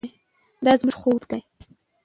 دا زموږ خوب دی.